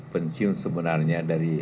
pencium sebenarnya dari